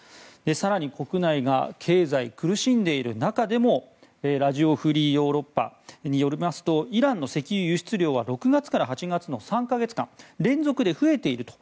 更に、国内が経済で苦しんでいる中でもラジオ・フリー・ヨーロッパによりますとイランの石油輸出量は６月から８月の３か月間連続で増えていると。